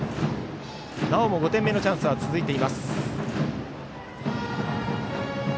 なおも５点目のチャンスは続いています。